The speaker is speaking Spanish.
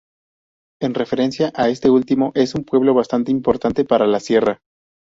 En referencia a esto último, es un pueblo bastante importante para la Sierra.